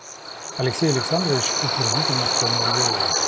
Алексей Александрович утвердительно склонил голову.